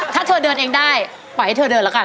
ถ้าเธอเดินเองได้ปล่อยให้เธอเดินแล้วกัน